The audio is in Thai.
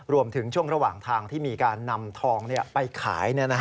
รวมถึงช่วงระหว่างทางที่มีการนำทองไปขาย